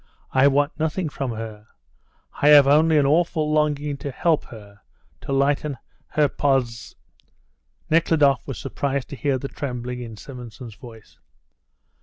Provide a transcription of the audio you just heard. I want nothing from her. I have only an awful longing to help her, to lighten her posi " Nekhludoff was surprised to hear the trembling in Simonson's voice.